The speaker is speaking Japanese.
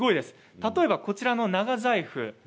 例えばこちらの長財布。